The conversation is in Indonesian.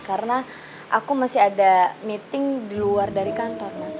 karena aku masih ada meeting di luar dari kantor mas